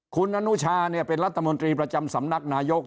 คุณอนุชาเป็นรัฐมนตรีประจำสำนักนายก